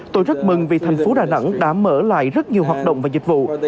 tôi rất mừng vì thành phố đà nẵng đã mở lại rất nhiều hoạt động và dịch vụ